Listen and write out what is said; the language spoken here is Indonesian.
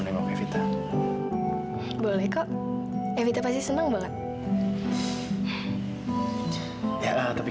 dan sebelumnya aku mau makasih sama kamu